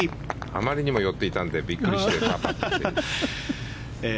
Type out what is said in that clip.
あまりにも寄っていたのでびっくりして。